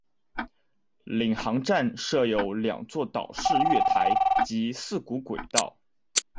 领航站设有两座岛式月台及四股轨道。